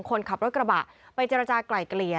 คนขับรถกระบะไปเจรจากลายเกลี่ย